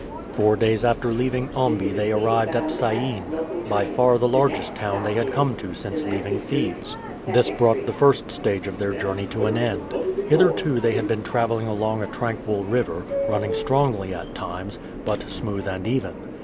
Four days after leaving Ombi they arrived at Syene,[A] by far the largest town they had come to since leaving Thebes. This brought the first stage of their journey to an end. Hitherto they had been traveling along a tranquil river, running strongly at times, but smooth and even.